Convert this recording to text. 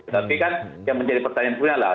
tapi kan yang menjadi pertanyaan punya lah